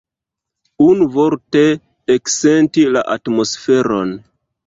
Unuvorte, eksenti la atmosferon.